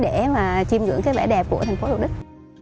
để mà chìm ngưỡng cái vẻ đẹp của thành phố thủ đức